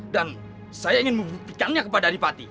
dan saya ingin membuktikannya kepada adipati